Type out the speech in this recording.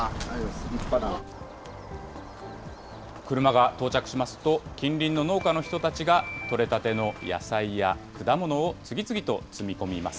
車が到着しますと、近隣の農家の人たちが取れたての野菜や果物を次々と積み込みます。